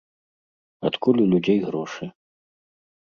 Адкуль у людзей грошы?